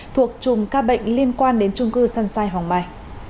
thuộc chùm ca bệnh liên quan đến chung cư san sai hòng mai